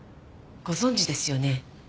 ご存じですよね？